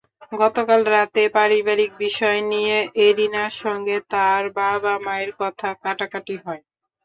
গতকাল রাতে পারিবারিক বিষয় নিয়ে এরিনার সঙ্গে তার বাবা-মায়ের কথা-কাটাকাটি হয়।